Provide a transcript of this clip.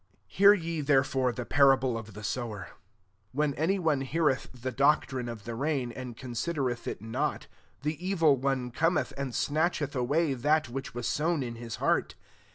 18 "Hear ye therefore the parable of the sower. 1 9 When any one heareth the doctrine of the reign, and considereth U not, the evil one cometh, and snatcheth away that which was sown in his heart.